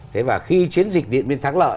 thế và khi chiến dịch điện biên thắng lợi